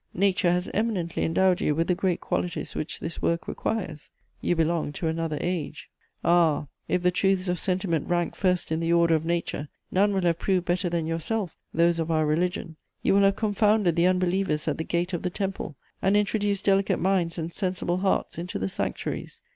Nature has eminently endowed you with the great qualities which this work requires: you belong to another age.... "Ah, if the truths of sentiment rank first in the order of nature, none will have proved better than yourself those of our religion; you will have confounded the unbelievers at the gate of the Temple and introduced delicate minds and sensible hearts into the sanctuaries.